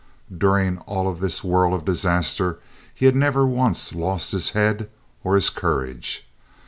During all this whirl of disaster he had never once lost his head or his courage.